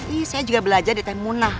ih saya juga belajar deh temuna